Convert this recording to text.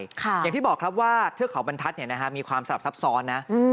อย่างที่บอกครับว่าเทือกเขาบรรทัศน์มีความสลับซับซ้อนนะ